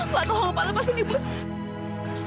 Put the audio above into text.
gak tau ngapain lepasin ibu